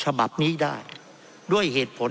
เพราะเรามี๕ชั่วโมงครับท่านนึง